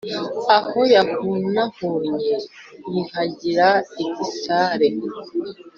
Aho yahunahunnye ihagira igisare